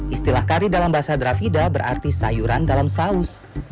istilah kari dalam bahasa drafida berarti sayuran dalam saus